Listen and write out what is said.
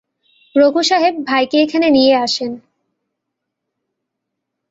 রঘু সাহেব, ভাইকে এখানে নিয়ে আসেন।